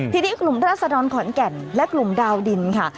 ทีนี้กลุ่มราศดรขอนแก่นและกลุ่มดาวดินค่ะ